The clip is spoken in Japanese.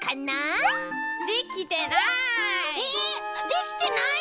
できてない！